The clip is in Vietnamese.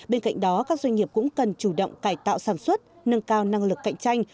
bên cạnh đó các doanh nghiệp cũng cần chủ động cải tạo sản xuất nâng cao năng lực cạnh tranh